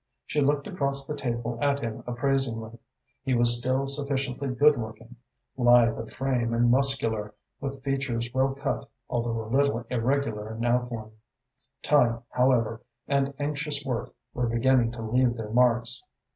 She looked across the table at him appraisingly. He was still sufficiently good looking, lithe of frame and muscular, with features well cut although a little irregular in outline. Time, however, and anxious work were beginning to leave their marks.